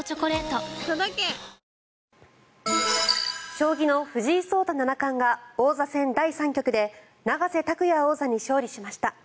将棋の藤井聡太七冠が王座戦第３局で永瀬拓矢王座に勝利しました。